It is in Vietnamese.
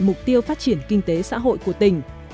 mục tiêu phát triển kinh tế xã hội của tỉnh